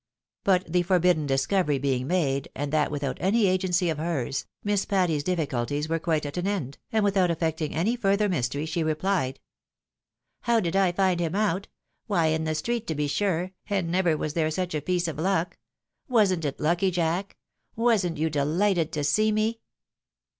But the forbidden discovery being made, and that without any agency of hers, Miss Patty's difficulties were quite at an end, and without affecting any further mystery, she repUed, " How did I find him out ? Why, in the street to be sure ; and never was there such a piece of luck ! Wasn't it lucky, Jack ? Wasn't you deHghted to see me